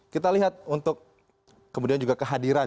kita lihat untuk kemudian juga kehadiran